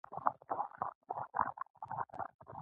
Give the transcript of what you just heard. د امانت ادا کول د ایمان برخه ده.